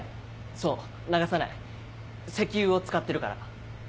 そう流さない石油を使ってるから。